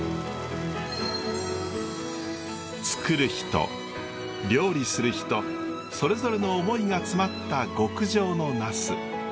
作る人料理する人それぞれの思いが詰まった極上のナス。